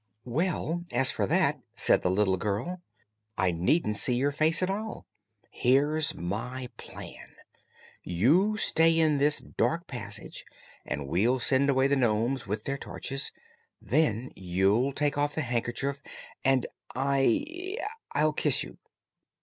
"Well, as for that," said the little girl, "I needn't see your face at all. Here's my plan: You stay in this dark passage, and we'll send away the nomes with their torches. Then you'll take off the handkerchief, and I I'll kiss you."